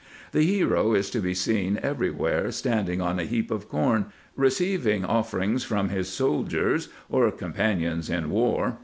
The hero is to be seen every where standing on a heap of corn, receiving offerings from his soldiers or companions in war.